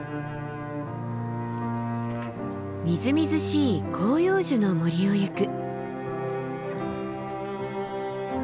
みずみずしい広葉樹の森を行く。